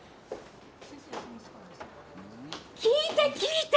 聞いて聞いて！